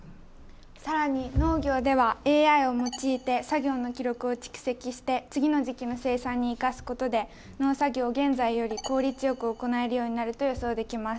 更に農業ではＡＩを用いて作業の記録を蓄積して次の時期の生産に生かすことで農作業を現在より効率よく行えるようになると予想できます。